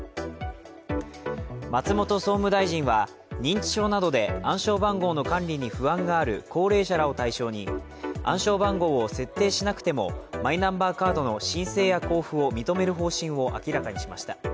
松本総務大臣は認知症などで暗証番号の管理に不安がある高齢者らを対象に、暗証番号を設定しなくてもマイナンバーカードの申請や交付を認める方針を明らかにしました。